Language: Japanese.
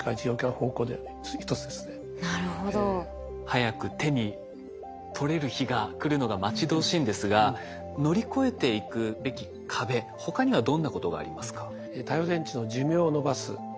早く手に取れる日が来るのが待ち遠しいんですが乗り越えていくべき壁他にはどんなことがありますか？